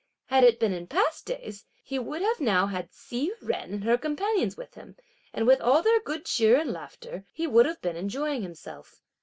Had it been in past days, he would have now had Hsi Jen and her companions with him, and with all their good cheer and laughter, he would have been enjoying himself.